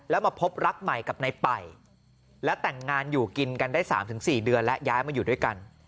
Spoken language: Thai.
แล้วมาพบรักใหม่กับในป่ายและแต่งงานอยู่กินกันได้๓๔เดือนแล้วย้ายมาอยู่ด้วยกัน